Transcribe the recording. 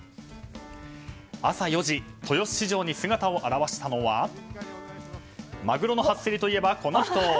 朝４時、豊洲市場に姿を現したのはマグロの初競りといえば、この人。